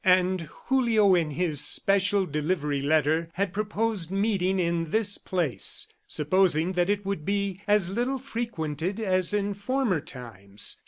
... And Julio, in his special delivery letter, had proposed meeting in this place, supposing that it would be as little frequented as in former times.